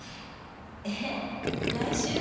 えっ来週？